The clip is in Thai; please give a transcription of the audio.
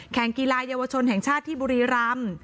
กีฬาเยาวชนแห่งชาติที่บุรีรำ